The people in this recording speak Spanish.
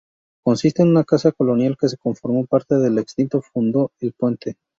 Consiste en una casa colonial que conformó parte del extinto fundo El Puente.